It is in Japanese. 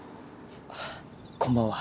あっこんばんは。